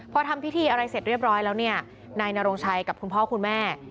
พอทำพิธีอะไรเสร็จเรียบร้อยแล้วเนี่ยนายนโรงชัยกับคุณพ่อคุณแม่